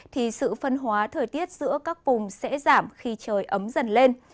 thì sự phân hóa thời tiết giữa các vùng sẽ giảm khi trời ấm dần lên